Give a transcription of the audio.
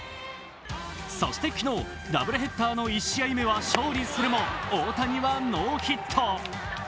そして昨日、ダブルヘッダーの１試合目は勝利するも、大谷はノーヒット。